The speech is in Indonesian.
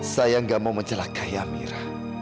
saya nggak mau mencelakai amira